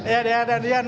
ya dea dan rian